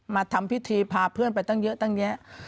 มาทำพิธีพาเพื่อนไปตั้งเยอะตั้งแยะ